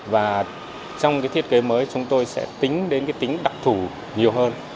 và trong thiết kế mới chúng tôi sẽ tính đến tính đặc thủ nhiều hơn